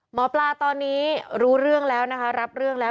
หมอปลาตอนนี้รู้เรื่องแล้วนะคะรับเรื่องแล้ว